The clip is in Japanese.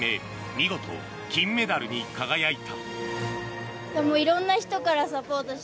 見事、金メダルに輝いた。